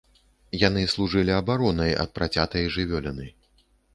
Яны служылі абаронай ад працятай жывёліны.